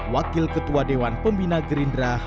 wakil ketua dewan pembina gerindra haji jokowi